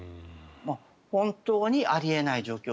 本当にあり得ない状況